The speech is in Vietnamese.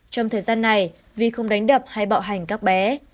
trong thời gian này vì không đánh đập hay bạo hành các bé